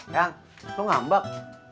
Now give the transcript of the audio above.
yang lo rambut